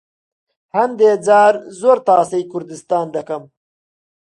هەندێ جار زۆر تاسەی کوردستان دەکەم.